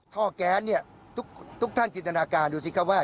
ท่อกแก๊สเนี่ยทุกท่านจิตนาการดูสิค่ะว่า